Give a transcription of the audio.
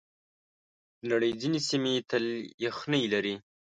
د نړۍ ځینې سیمې تل یخنۍ لري.